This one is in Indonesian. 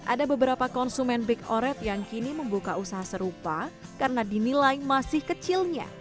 ada beberapa konsumen big oret yang kini membuka usaha serupa karena dinilai masih kecilnya